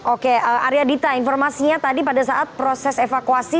oke arya dita informasinya tadi pada saat proses evakuasi